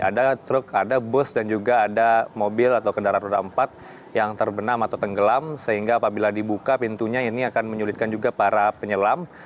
ada truk ada bus dan juga ada mobil atau kendaraan roda empat yang terbenam atau tenggelam sehingga apabila dibuka pintunya ini akan menyulitkan juga para penyelam